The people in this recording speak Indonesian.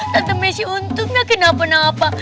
tante masih untungnya kebanyakan